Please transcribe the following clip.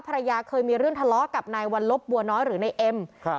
ภรรยาเคยมีเรื่องทะเลาะกับนายวัลลบบัวน้อยหรือนายเอ็มครับ